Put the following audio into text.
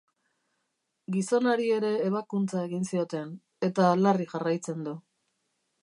Gizonari ere ebakuntza egin zioten, eta larri jarraitzen du.